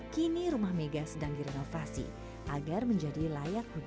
kini rumah mega sedang direnovasi agar menjadi layak digunakan